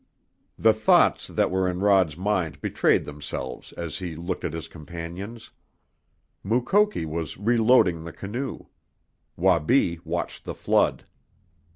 The thoughts that were in Rod's mind betrayed themselves as he looked at his companions. Mukoki was reloading the canoe. Wabi watched the flood.